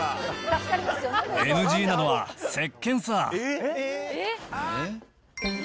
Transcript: ＮＧなのはせっけんさ。